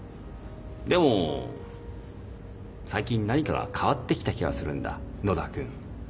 でも最近何かが変わってきた気がするんだ野田君。